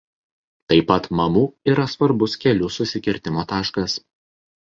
Taip pat Mamu yra svarbus kelių susikirtimo taškas.